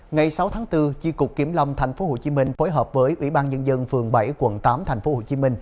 ngày sáu tháng bốn chi cục kiểm lâm tp hcm phối hợp với ủy ban nhân dân phường bảy quận tám tp hcm